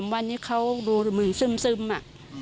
๒๓วันนี้เขารูมือซึ้มอะ